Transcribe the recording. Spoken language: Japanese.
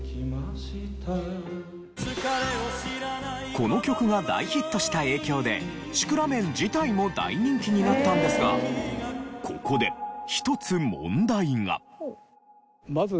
この曲が大ヒットした影響でシクラメン自体も大人気になったんですがここで一つ問題が。